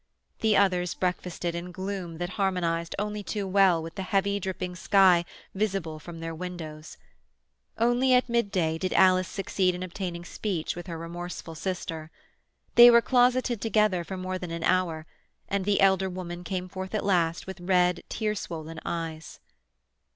The others breakfasted in gloom that harmonized only too well with the heavy, dripping sky visible from their windows. Only at midday did Alice succeed in obtaining speech with her remorseful sister. They were closeted together for more than an hour, and the elder woman came forth at last with red, tear swollen eyes.